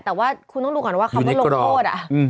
แต่ว่าคุณต้องดูก่อนว่าคำว่าลงโทษ